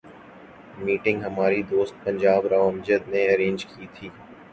Meeting ہمارے دوست پنجاب راؤ امجد نے ارینج کی تھی۔